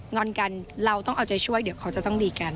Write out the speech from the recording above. อนกันเราต้องเอาใจช่วยเดี๋ยวเขาจะต้องดีกัน